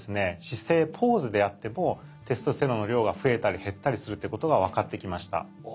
姿勢ポーズであってもテストステロンの量が増えたり減ったりするっていうことが分かってきました。